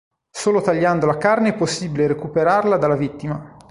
Solo tagliando la carne è possibile recuperarla dalla vittima.